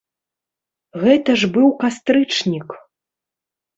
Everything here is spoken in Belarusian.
Гэта ж быў кастрычнік!